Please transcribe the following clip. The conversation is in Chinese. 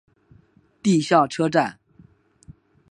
地下车站。